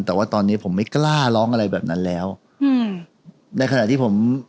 แต่ว่าตอนนี้ผมไม่กล้าร้องอะไรแบบนั้นแล้วอืมในขณะที่ผม